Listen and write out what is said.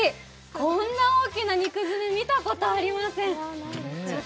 こんな大きな肉詰め見たことありません。